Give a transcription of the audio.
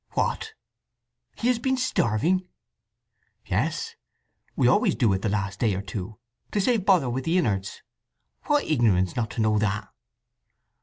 "What—he has been starving?" "Yes. We always do it the last day or two, to save bother with the innerds. What ignorance, not to know that!"